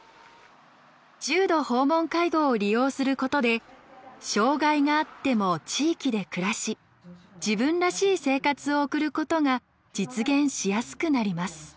重度訪問介護を利用することで障がいがあっても地域で暮らし自分らしい生活を送ることが実現しやすくなります。